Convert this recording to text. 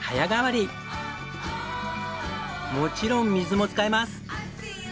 もちろん水も使えます。